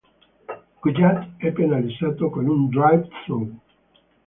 Kvjat è penalizzato con un "drive through".